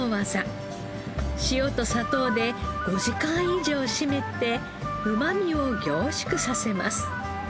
塩と砂糖で５時間以上締めてうまみを凝縮させます。